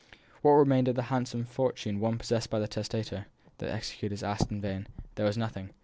What remained of the handsome fortune once possessed by the testator? The executors asked in vain; there was nothing.